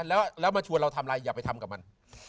แล้วมาชวนเราทำอะไรอย่าไปทำกับมัน